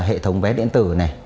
hệ thống vé điện tử